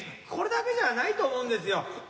これだけじゃないと思うんですよ。